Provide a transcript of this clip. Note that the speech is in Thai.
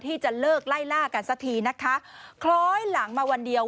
ที่จะเลิกไล่ล่ากันสักทีนะคะคล้อยหลังมาวันเดียว